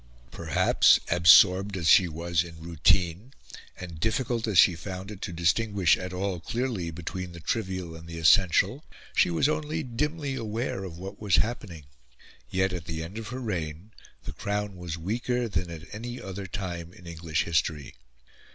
Perhaps, absorbed as she was in routine, and difficult as she found it to distinguish at all clearly between the trivial and the essential, she was only dimly aware of what was happening. Yet, at the end of her reign, the Crown was weaker than at any other time in English history.